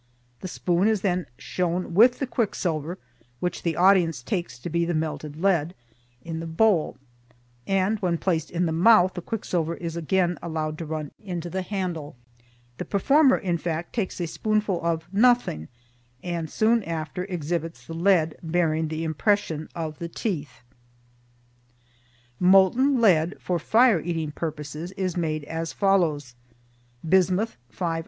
The spoon is then shown with the quicksilver (which the audience takes to be the melted lead) in the bowl, and when placed in the mouth, the quicksilver is again allowed to run into the handle. The performer, in fact, takes a spoonful of nothing, and soon after exhibits the lead bearing the impression of the teeth. Molten lead, for fire eating purposes, is made as follows: Bismuth .....